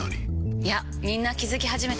いやみんな気付き始めてます。